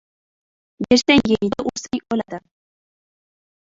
Bersang — yeydi, ursang — o'ladi.